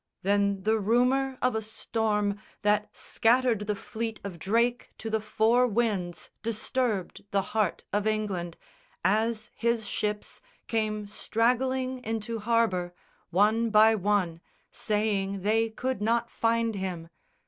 Then the rumour of a storm That scattered the fleet of Drake to the four winds Disturbed the heart of England, as his ships Came straggling into harbour, one by one, Saying they could not find him.